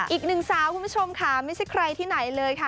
อีกหนึ่งสาวคุณผู้ชมค่ะไม่ใช่ใครที่ไหนเลยค่ะ